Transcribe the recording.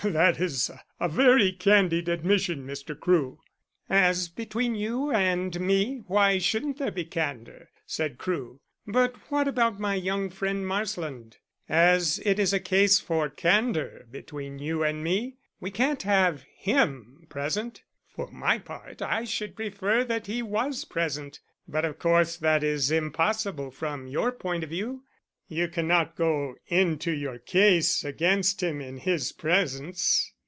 "That is a very candid admission, Mr. Crewe." "As between you and me why shouldn't there be candour?" said Crewe. "But what about my young friend Marsland? As it is a case for candour between you and me, we can't have him present. For my part, I should prefer that he was present, but of course that is impossible from your point of view. You cannot go into your case against him in his presence."